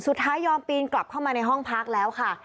ยอมปีนกลับเข้ามาในห้องพักแล้วค่ะ